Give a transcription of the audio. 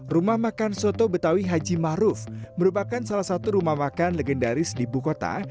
rumah makan soto betawi haji maruf merupakan salah satu rumah makan legendaris di buku kota